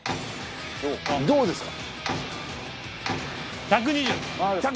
どうですか？